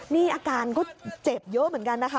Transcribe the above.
นี่อาการก็เจ็บเยอะเหมือนกันนะคะ